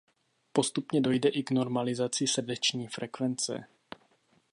Postupně dojde i k normalizaci srdeční frekvence.